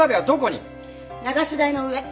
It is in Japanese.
流し台の上。